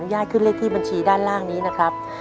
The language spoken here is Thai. ได้เรียกที่บัญชีด้านล่างนี้นะครับ